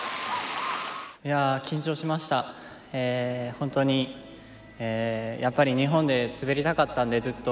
本当にやっぱり日本で滑りたかったんでずっと。